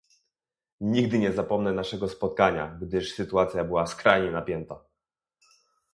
Nigdy nie zapomnę naszego spotkania, gdyż sytuacja była skrajnie napięta